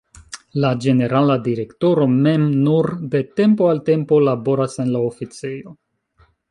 La ĝenerala direktoro mem nur de tempo al tempo laboras en la oficejo.